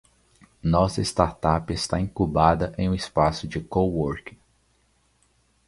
Nossa startup está incubada em um espaço de coworking.